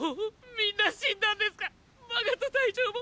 みんな死んだんですか⁉マガト隊長も！！